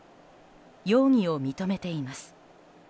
容疑を認めています。